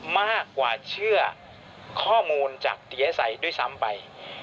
มากกว่าเชื่อข้อมูลจากดีเอสไอด้วยซ้ำไป